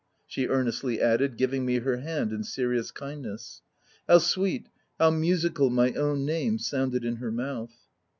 — she earnestly added, giving me her hand in serious kindi 3ss. How sweet, how musical my own name sounded in her mouth